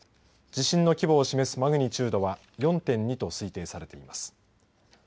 地震の規模を示すマグニチュードは４．２と推定されています。